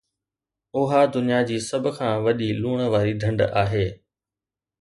اها دنيا جي سڀ کان وڏي لوڻ واري ڍنڍ آهي